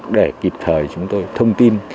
để kịp thời chúng tôi thông tin